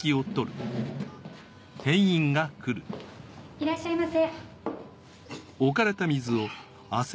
いらっしゃいませ。